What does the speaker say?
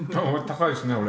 高いですね俺。